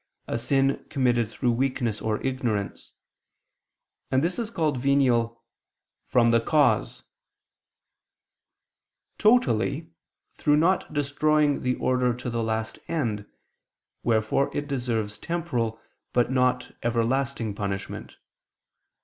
a sin committed through weakness or ignorance: and this is called venial "from the cause": totally, through not destroying the order to the last end, wherefore it deserves temporal, but not everlasting punishment.